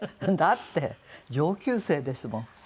だって上級生ですもん。